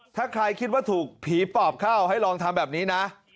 ถ้าใครคิดว่าถูกผีปอบเข้าให้ลองทำแบบนี้นะ